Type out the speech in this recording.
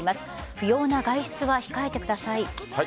不要な外出は控えてください。